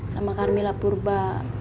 sama karmila purba